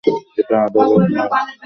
এটা আদালত নয়।